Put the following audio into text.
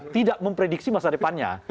tidak memprediksi masa depannya